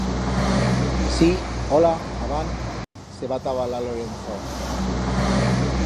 Sí, ola, abant... se va atabalar Lorenzo.